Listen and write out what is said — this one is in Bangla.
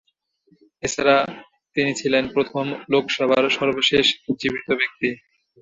এছাড়া, তিনি ছিলেন প্রথম লোকসভার সর্বশেষ জীবিত ব্যক্তি।